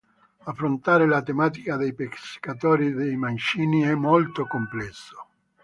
Affrontare la tematica dei pescatori di Mancini è molto complesso.